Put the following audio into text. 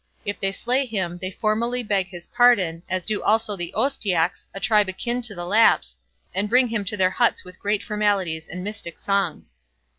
If they slay him, they formally beg his pardon, as do also the Ostjaks, a tribe akin to the Lapps, and bring him to their huts with great formalities and mystic songs.